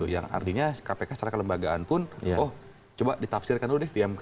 yang artinya kpk secara kelembagaan pun oh coba ditafsirkan dulu deh di mk